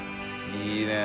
いいねぇ。